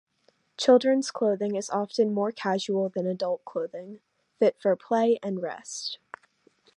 Children's clothing is often more casual than adult clothing, fit for play and rest.